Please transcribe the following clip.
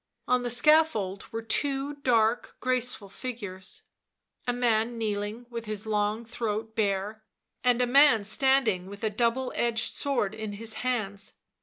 On the scaffold were two dark, graceful figures; a man kneeling, with his long throat bare, and a man standing with a double edged sword in his hands.